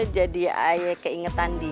jadi ayah keingetan dia